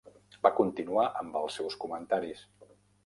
Va continuar amb els seus comentaris.